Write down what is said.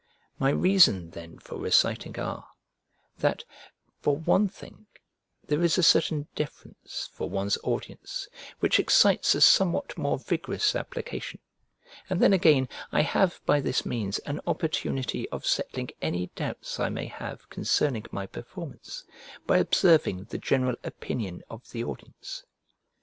My reason then for reciting are, that, for one thing, there is a certain deference for one's audience, which excites a somewhat more vigorous application, and then again, I have by this means an opportunity of settling any doubts I may have concerning my performance, by observing the general opinion of the audience.